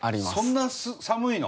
そんな寒いの？